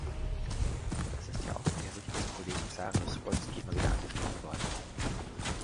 Das ist ja auch im Bericht des Kollegen Saryusz-Wolski immer wieder angeschnitten worden.